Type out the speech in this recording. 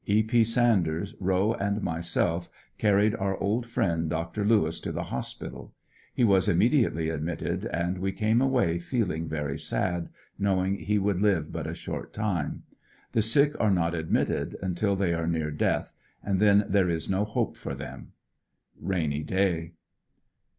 E. P. Sanders, Rowe and myself carried our old friend Dr. Lewis to the hospital. He was immedi ately admitted and we came away feeling very sad, knowing he would live but a short time. The sick are not admitted until they are near death, and then there is no hope for them. Rainy day.